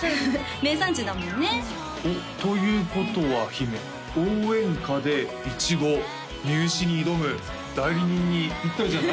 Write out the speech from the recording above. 名産地だもんねおっということは姫応援歌でイチゴ入試に挑む代理人にピッタリじゃない？